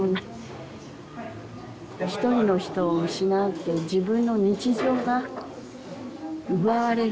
一人の人を失うって自分の日常が奪われる。